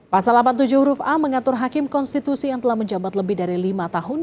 pasal delapan puluh tujuh huruf a mengatur hakim konstitusi yang telah menjabat lebih dari lima tahun